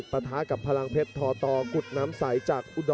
สวัสดีครับสวัสดีครับสวัสดีครับ